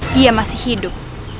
dia masih hidup